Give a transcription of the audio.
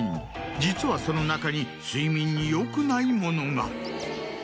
実はその中に睡眠によくないものが。